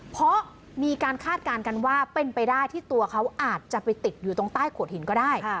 เพราะมีการคาดการณ์กันว่าเป็นไปได้ที่ตัวเขาอาจจะไปติดอยู่ตรงใต้ขวดหินก็ได้